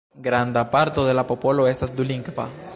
Granda parto de la popolo estas dulingva.